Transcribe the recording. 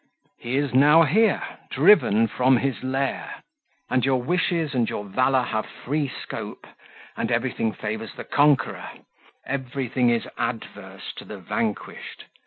He is now here, driven from his lair, and your wishes and your valour have free scope, and everything favours the conqueror, everything is adverse to the vanquished.